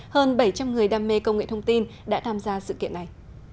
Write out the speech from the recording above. hơn bảy trăm linh người đam mê công nghệ thông tin đã tham gia sự kiện này